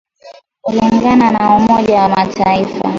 kulingana na umoja wa mataifa